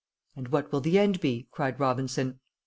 "And what will the end be?" cried Robinson.